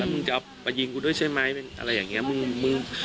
แล้วมึงจะเอาไปยิงกูด้วยใช่ไหมเป็นอะไรอย่างเงี้ยมึงมึง